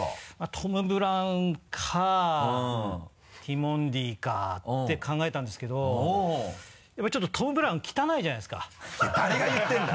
トム・ブラウンかティモンディかて考えたんですけどやっぱりちょっとトム・ブラウン汚いじゃないですかそれ誰が言ってるんだ！